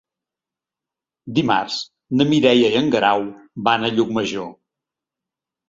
Dimarts na Mireia i en Guerau van a Llucmajor.